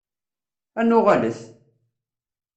Ad nuɣalet!